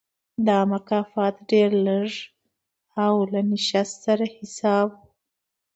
دا مکافات ډېر لږ او له نشت سره حساب و.